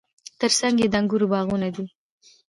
ترڅنګ یې د انګورو باغونه دي.